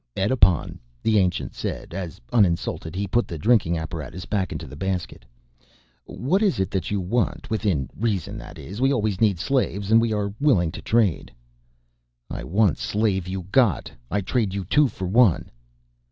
"Edipon," the ancient said as, uninsulted, he put the drinking apparatus back into the basket. "What is it that you want within reason that is? We always need slaves and we are always willing to trade." "I want slave you got. I trade you two for one."